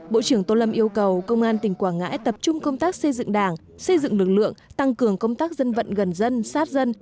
bộ trưởng tô lâm yêu cầu công an tỉnh quảng ngãi tập trung công tác xây dựng đảng xây dựng lực lượng tăng cường công tác dân vận gần dân sát dân